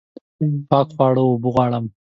پاک خواړه اوبه غواړم